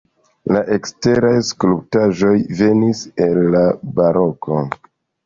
La eksteraj skulptaĵoj venis el la baroko.